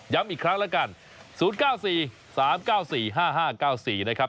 อีกครั้งแล้วกัน๐๙๔๓๙๔๕๕๙๔นะครับ